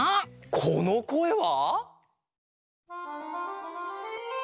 このこえは？